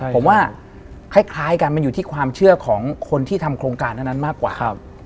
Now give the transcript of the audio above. ผมว่าคล้ายกันมันอยู่ที่ความเชื่อของคนที่ทำโครงการเท่านั้นมากกว่า